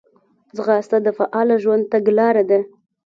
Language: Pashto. ځغاسته د فعاله ژوند تګلاره ده